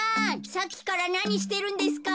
さっきからなにしてるんですか？